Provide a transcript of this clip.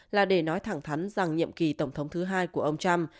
là để nói thẳng thắn rằng nhiệm kỳ tổng thống thứ hai của ông trump